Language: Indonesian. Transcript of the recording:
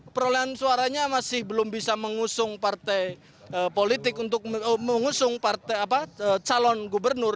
perolehan suaranya masih belum bisa mengusung partai politik untuk mengusung calon gubernur